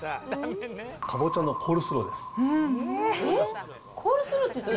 かぼちゃのコールスローです。